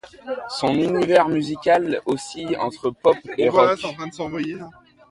Son univers musical oscille entre pop et rock.